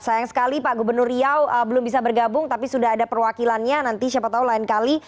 sayang sekali pak gubernur riau belum bisa bergabung tapi sudah ada perwakilannya nanti siapa tahu lain kali